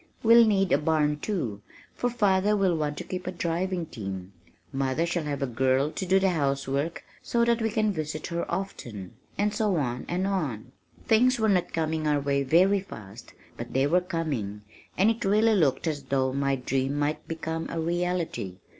We'll need a barn, too, for father will want to keep a driving team. Mother shall have a girl to do the housework so that we can visit her often," and so on and on! Things were not coming our way very fast but they were coming, and it really looked as though my dream might become a reality.